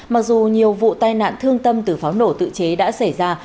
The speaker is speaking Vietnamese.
mặc dù nhiều vụ tai nạn thương tâm từ pháo nổ tự chế đã xảy ra